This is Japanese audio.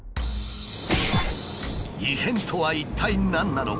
異変とは一体何なのか？